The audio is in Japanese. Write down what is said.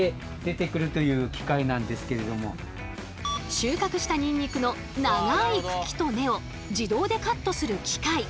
収穫したニンニクの長い茎と根を自動でカットする機械。